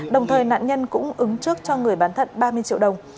đồng thời nạn nhân cũng ứng trước cho người bán thận ba mươi triệu đồng